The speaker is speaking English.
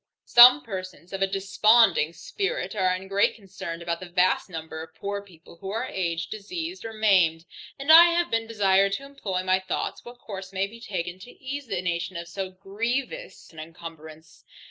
Some persons of a desponding spirit are in great concern about that vast number of poor people, who are aged, diseased, or maimed; and I have been desired to employ my thoughts what course may be taken, to ease the nation of so grievous an incumbrance.